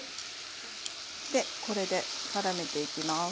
でこれでからめていきます。